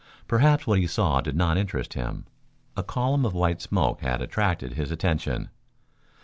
Perhaps what he saw did not interest him. A column of white smoke had attracted his attention.